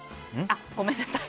ごめんなさい。